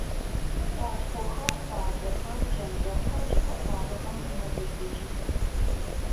Пцӏашхъохэр, къуалэхэр, пчэндэхъухэр чӏыпӏэ фабэхэм мэбыбыжьых.